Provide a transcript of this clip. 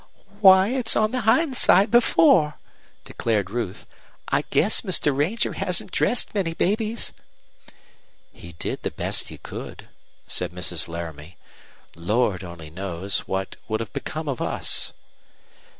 "Why, it's on hind side before," declared Ruth. "I guess Mr. Ranger hasn't dressed many babies." "He did the best he could," said Mrs. Laramie. "Lord only knows what would have become of us!"